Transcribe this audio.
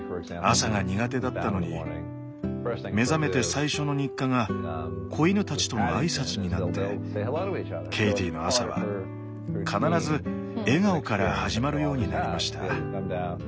朝が苦手だったのに目覚めて最初の日課が子犬たちとの挨拶になってケイティの朝は必ず笑顔から始まるようになりました。